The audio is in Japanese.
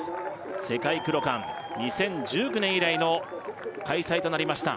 世界クロカン２０１９年以来の開催となりました